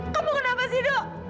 kamu kenapa sih edo